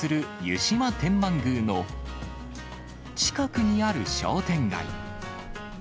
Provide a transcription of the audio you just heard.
湯島天満宮の近くにある商店街。